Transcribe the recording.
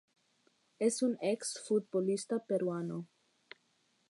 Es un ex-futbolista peruano.